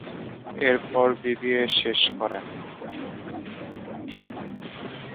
এরপর বিবিএ শেষ করেন।